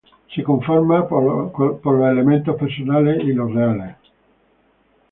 Se conforman por los elementos personales y los reales.